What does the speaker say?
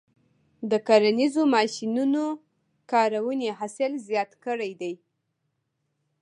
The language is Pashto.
د کرنیزو ماشینونو کارونې حاصل زیات کړی دی.